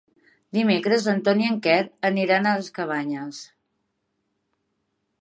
Dimecres en Ton i en Quer aniran a les Cabanyes.